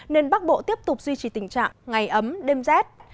nên bắc bộ tiếp tục duy trì tình trạng ngày ấm đêm rét